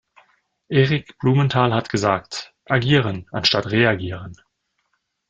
Erik Blumenthal hat gesagt: "Agieren, anstatt reagieren".